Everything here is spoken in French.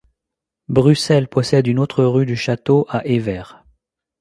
Bruxelles possède une autre rue du Château à Evere.